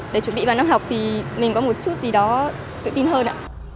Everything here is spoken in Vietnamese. để chuẩn bị vào năm học thì mình có một chút gì đó tự tin hơn ạ